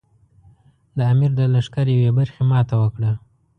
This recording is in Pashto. د امیر د لښکر یوې برخې ماته وکړه.